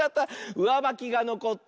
うわばきがのこった。